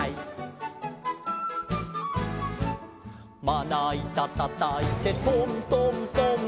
「まないたたたいてトントントン」